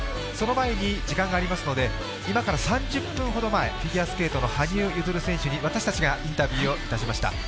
その前に時間がありますので、今から３０分ほど前、フィギュアスケートの羽生結弦選手に私たちがインタビューをしました。